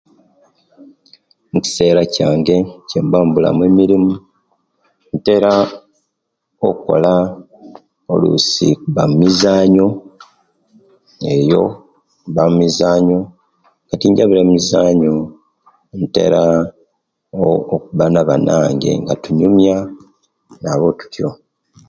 Ekisera kyange obwembanga mbulamu mirimo ntera okola olwiisi mba mumizzanyo eeyo mba mumizzanyo nga tinjabire mumizzanyo ntera okuba nabanange nga tunyumya nabo tutyo